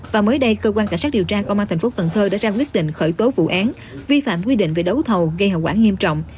và mới đây cơ quan cả sát điều tra công an thành phố cần thơ đã ra quyết định khởi tố vụ án vi phạm quy định về đấu thầu gây hậu quả nghiêm trọng